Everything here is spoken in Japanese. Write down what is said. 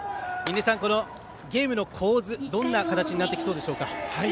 印出さん、ゲームの構図どんな形になりそうでしょうか。